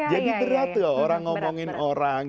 jadi berat loh orang ngomongin orang